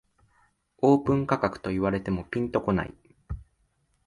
オープン価格と言われてもピンとこない